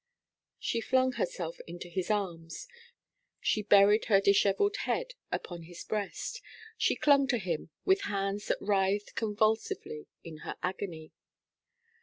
She flung herself into his arms, she buried her dishevelled head upon his breast; she clung to him with hands that writhed convulsively in her agony.